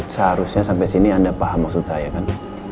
seharusnya sampai sini anda paham maksud saya kan